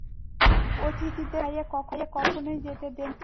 অতিথিদের না খাইয়ে কখনোই যেতে দেন না।